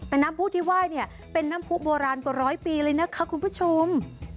แต่น้ำผู้ที่ไหว้เนี่ยเป็นน้ำผู้โบราณกว่าร้อยปีเลยนะคะคุณผู้ชม